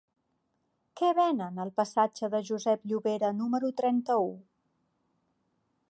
Què venen al passatge de Josep Llovera número trenta-u?